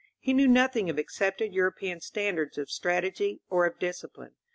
He knew nothing of accepted European standards of strategy or of discipline.